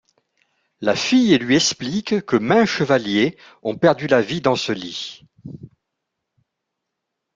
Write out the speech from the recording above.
La fille lui explique que maints chevaliers ont perdu la vie dans ce lit.